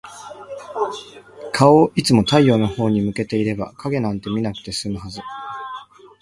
顔をいつも太陽のほうに向けていれば、影なんて見なくて済むはず。